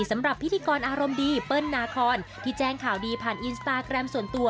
สำหรับพิธีกรอารมณ์ดีเปิ้ลนาคอนที่แจ้งข่าวดีผ่านอินสตาแกรมส่วนตัว